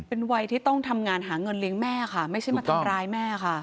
เป็นวัยที่ต้องทำงานหาเงินเลี้ยงแม่ค่ะไม่ใช่มาทำร้ายแม่ค่ะ